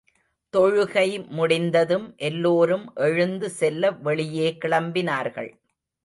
தொழுகை முடிந்ததும் எல்லோரும் எழுந்து செல்ல வெளியே கிளம்பினார்கள்.